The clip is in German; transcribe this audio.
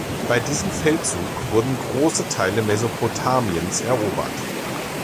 Bei diesem Feldzug wurden große Teile Mesopotamiens erobert.